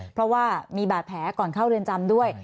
เพราะว่ามีบาดแผลก่อนเข้าเรือนจำด้วย